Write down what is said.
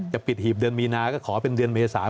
ปิดหีบเดือนมีนาก็ขอเป็นเดือนเมษา